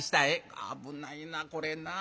危ないなこれなぁ。